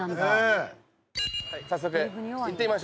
早速行ってみましょうか。